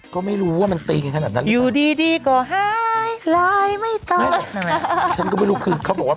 ก็ไม่รู้ว่ามันตีกันขนาดนั้นหรือเปล่า